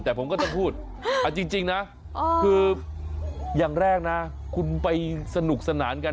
แต่ผมก็ต้องพูดเอาจริงนะคืออย่างแรกนะคุณไปสนุกสนานกัน